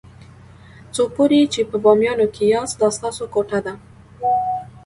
څو پورې چې په بامیانو کې یاست دا ستاسو کوټه ده.